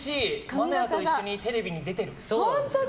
愛弥と一緒にテレビに出てる。